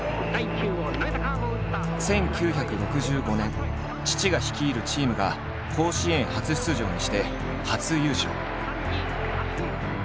１９６５年父が率いるチームが甲子園初出場にして初優勝。